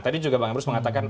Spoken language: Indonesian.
tadi juga bang emrus mengatakan